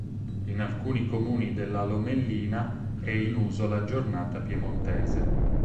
In alcuni comuni della Lomellina è in uso la giornata piemontese.